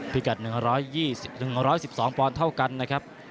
พิกัด๑๒๐๑๑๒ปอนด์เท่ากันนะครับ